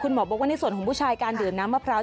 หมอบอกว่าในส่วนของผู้ชายการดื่มน้ำมะพร้าว